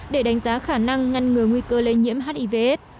để đánh giá khả năng ngăn ngừa nguy cơ lây nhiễm hivs